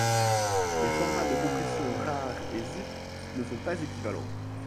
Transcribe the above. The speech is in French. Les formats de compression rar et zip ne sont pas équivalents.